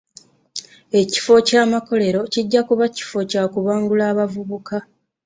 Ekifo ky'amakolero kijja kuba kifo kya kubangula abavubuka .